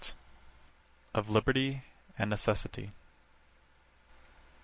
OF LIBERTY AND NECESSITY.